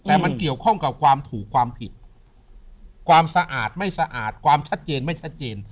แต่มันเกี่ยวข้องกับความถูกความผิดความสะอาดไม่สะอาดความชัดเจนไม่ชัดเจน